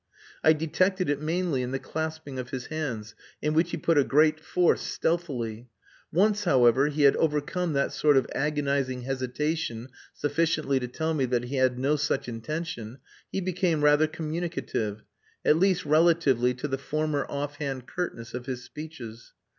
I detected it mainly in the clasping of his hands, in which he put a great force stealthily. Once, however, he had overcome that sort of agonizing hesitation sufficiently to tell me that he had no such intention, he became rather communicative at least relatively to the former off hand curtness of his speeches.